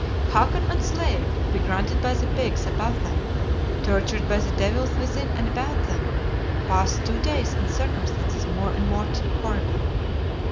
Hakon and slave, begrunted by the pigs above them, tortured by the devils within and about them, passed two days in circumstances more and more horrible.